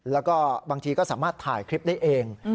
แล้วก็บางทีก็สามารถถ่ายคลิปได้เอง